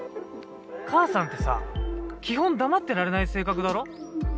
母さんってさ基本黙ってられない性格だろ？